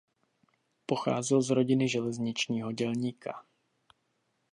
Pocházel z rodiny železničního dělníka.